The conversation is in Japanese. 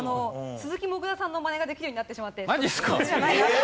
鈴木もぐらさんのマネができるようになってしまってそっちじゃないなって。